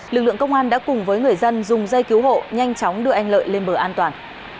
lực lượng công an đã cùng với người dân dùng dây cứu hộ nhanh chóng đưa anh lợi lên bờ an toàn